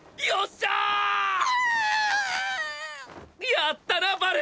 やったなバル！